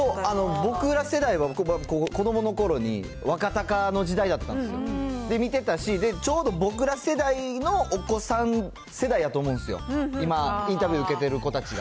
僕ら世代は、子どものころに若貴の時代だったんですよ。で、見てたし、ちょうど僕ら世代のお子さん世代やと思うんですよ、今、インタビュー受けてる子たちが。